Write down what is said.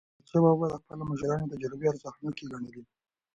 احمدشاه بابا د خپلو مشرانو تجربې ارزښتناکې ګڼلې.